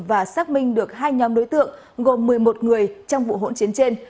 và xác minh được hai nhóm đối tượng gồm một mươi một người trong vụ hỗn chiến trên